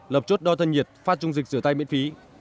lập chốt đo thân nhiệt phát trung dịch rửa tay miễn phí